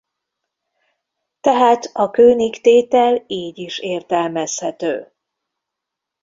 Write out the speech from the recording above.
Tehát a Kőnig-tétel így is értelmezhető.